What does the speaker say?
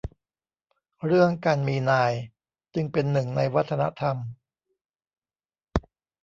เรื่องการมีนาย จึงเป็นหนึ่งในวัฒนธรรม